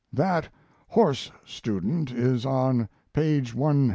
That horse student is on page 192.